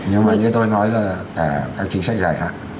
nhưng mà như tôi nói là cả các chính sách dài hạn